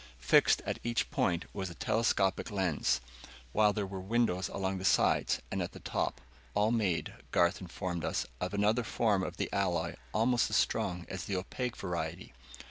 Fixed in each point was a telescopic lens, while there were windows along the sides and at the top all made, Garth informed us, of another form of the alloy almost as strong as the opaque variety.